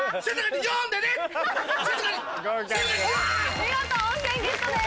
見事温泉ゲットです！